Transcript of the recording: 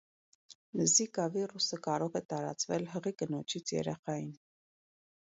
Զիկա վիրուսը կարող է տարածվել հղի կնոջից երեխային։